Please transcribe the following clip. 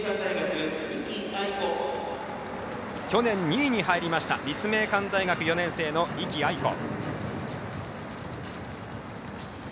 去年２位に入りました立命館大学４年生の壹岐あいこ。